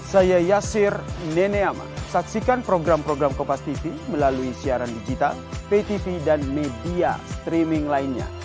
saya yasir nenekma saksikan program program kompas tv melalui siaran digital pay tv dan media streaming lainnya